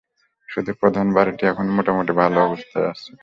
শুধু প্রধান বাড়িটি এখনো মোটামুটি ভালো অবস্থায় আছে।